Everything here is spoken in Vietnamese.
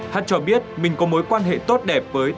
hát cho biết mình có mối quan hệ tốt đẹp với